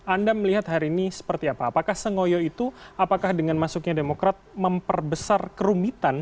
anda melihat hari ini seperti apa apakah sengoyo itu apakah dengan masuknya demokrat memperbesar kerumitan